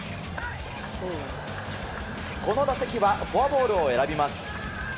この打席はフォアボールを選びます。